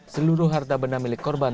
seluruh harta benda milik korban